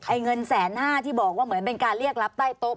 เงินแสนห้าที่บอกว่าเหมือนเป็นการเรียกรับใต้โต๊ะ